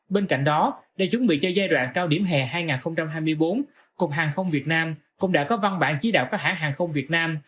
bên cạnh đó để chuẩn bị cho giai đoạn cao điểm hè hai nghìn hai mươi bốn cục hàng không việt nam cũng đã có văn bản chỉ đạo các hãng hàng không việt nam